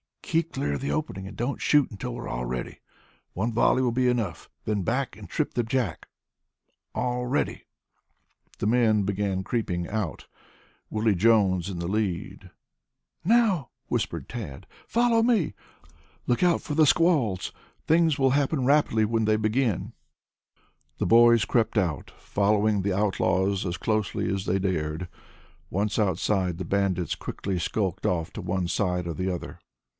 "Keep clear of the opening and don't shoot until we're all ready. One volley will be enough, then back and trip the jack. All ready!" The men began creeping out, Willie Jones in the lead. "Now!" whispered Tad. "Follow me! Look out for squalls! Things will happen rapidly when they begin." The boys crept out, following the outlaws as closely as they dared. Once outside the bandits quickly skulked off to one side or the other.